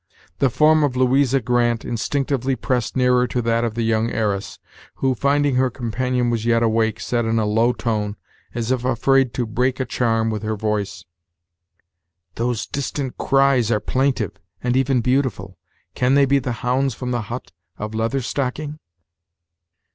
The form of Louis Grant instinctively pressed nearer to that of the young heiress, who, finding her companion was yet awake, said in a low tone, as if afraid to break a charm with her voice: "Those distant cries are plaintive, and even beautiful. Can they be the hounds from the hut of Leather Stocking?"